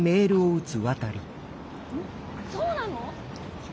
そうなの！？